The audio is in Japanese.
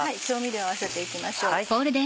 調味料を合わせて行きましょう。